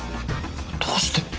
どうして！？